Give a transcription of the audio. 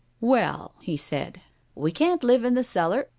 "Well," he said, "we can't live in the cellar.